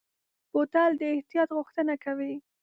بوتل د احتیاط غوښتنه کوي.